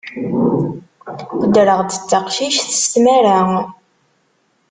Ddreɣ-d d taqcict s tmara.